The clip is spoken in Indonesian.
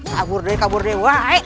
kabur dae kabur dai